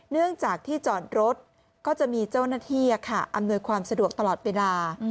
เนื่องจากที่จอดรถก็จะมีเจ้าหน้าที่อำนวยความสะดวกตลอดเวลา